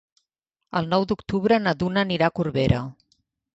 El nou d'octubre na Duna anirà a Corbera.